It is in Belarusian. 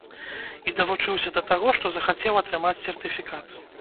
І давучыўся да таго, што захацеў атрымаць сертыфікат.